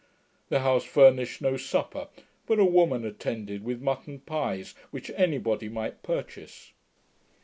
The house furnished no supper; but a woman attended with mutton pies, which any body might purchase.